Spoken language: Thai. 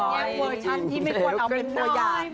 เวอร์ชันที่ไม่ควรเอาเป็นตัวอย่าง